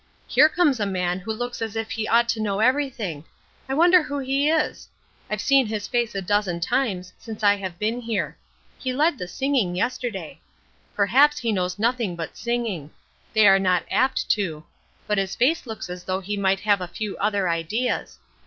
Here comes a man who looks as if he ought to know everything. I wonder who he is? I've seen his face a dozen times since I have been here. He led the singing yesterday. Perhaps he knows nothing but sing. They are not apt to; but his face looks as though he might have a few other ideas.